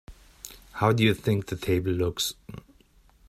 How do you think the table looks?